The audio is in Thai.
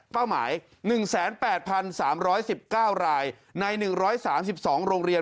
๑๐๐เป้าหมาย๑๐๘๓๑๙รายใน๑๓๒โรงเรียน